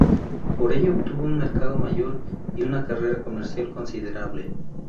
Por ello obtuvo un mercado mayor y una carrera comercial considerable.